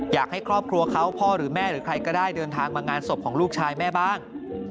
อยากให้ครอบครัวเขาพ่อหรือแม่หรือใครก็ได้เดินทางมางานศพของลูกชายแม่บ้าง